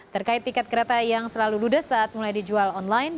terkait tiket kereta yang selalu ludes saat mulai dijual online